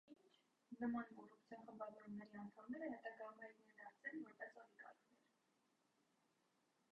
Նման կոռուպցիոն խմբավորումների անդամները հետագայում հայտնի են դարձել որպես օլիգարխներ։